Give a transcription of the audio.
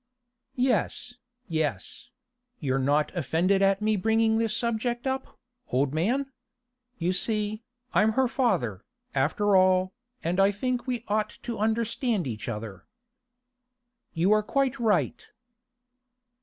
'Yes, yes; you're not offended at me bringing this subject up, old man? You see, I'm her father, after all, and I think we ought to understand each other.' 'You are quite right.